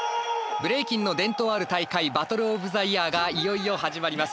ブレイキンの伝統ある大会バトルオブザイヤーがいよいよ始まります。